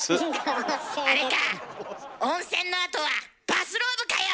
あれか温泉のあとはバスローブかよ！